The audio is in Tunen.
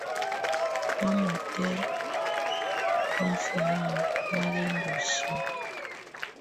Mamɔ́tɛ́ máfɔ́má má lɛ́ ndɔ́ sìómo.